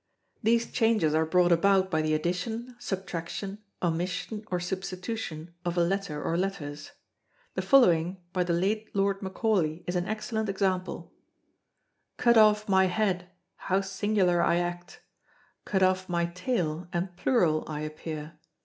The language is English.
These changes are brought about by the addition, subtraction, omission, or substitution of a letter or letters. The following, by the late Lord Macaulay, is an excellent example: "Cut off my head, how singular I act: Cut off my tail, and plural I appear.